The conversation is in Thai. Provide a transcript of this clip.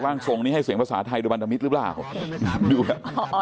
ร่างทรงนี้ให้เสียงภาษาไทยดูพรรณมิตรหรือเปล่าดูอ่ะ